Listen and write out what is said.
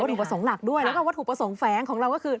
อุปสรรคหลักด้วยแล้วก็วัตถุประสงค์แฟ้งของเราก็คือ